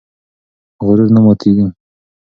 غرور نه ماتېږي.